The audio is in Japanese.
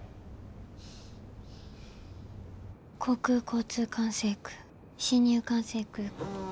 航空交通管制区進入管制区。